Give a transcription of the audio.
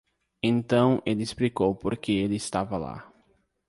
Então ele explicou por que ele estava lá.